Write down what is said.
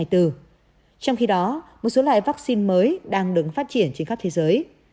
trong khi đó một số loại vắc xin mới đang đứng phát triển trên khắp thế giới